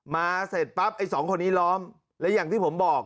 มาเสร็จปั๊บติดคนิล้มแล้วอย่างที่ผมบอก